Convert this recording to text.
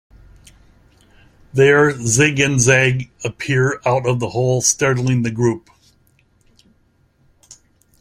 There, Zig and Zag appear out of the hole, startling the group.